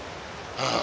ああ。